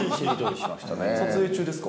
撮影中ですか？